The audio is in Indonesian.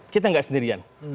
kita gak sendirian